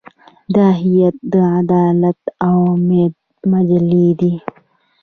دا هیئت د عدالت او امید مجلې دی.